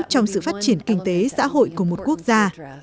trong sự phát triển kinh tế xã hội của một quốc gia